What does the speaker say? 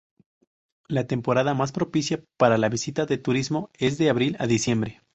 La temporada más propicia para la visita de turismo es de abril a diciembre.